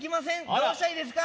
どうしたらいいですか？